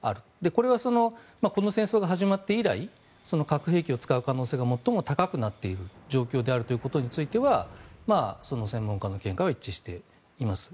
これはこの戦争が始まって以来核兵器を使う可能性が最も高くなっている状況であるということについては専門家の見解は一致しています。